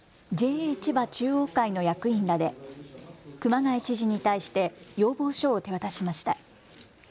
千葉中央会の役員らで熊谷知事に対して要望書を手渡しました。